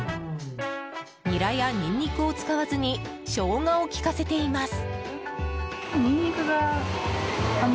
ニラやニンニクを使わずにショウガを利かせています。